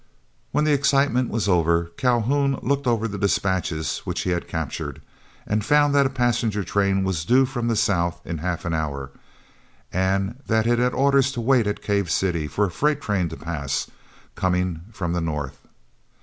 When the excitement was over Calhoun looked over the dispatches which he had captured, and found that a passenger train was due from the south in half an hour, and that it had orders to wait at Cave City for a freight train to pass, coming from the north.